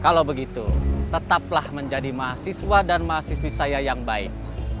kalau begitu tetaplah menjadi mahasiswa dan mahasiswi saya yang baik